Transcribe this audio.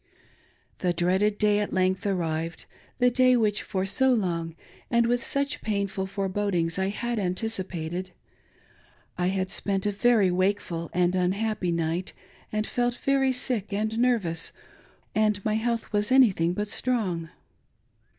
The dreaded day at length arrived, the day which for so' long, and with such painful forebodings, I had anticipated. I had spent a very wakeful and unhappy night, and felt very sick and nervous, for I was about to become a mother, and my health was anything but strong.